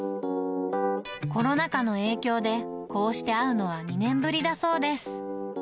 コロナ禍の影響で、こうして会うのは２年ぶりだそうです。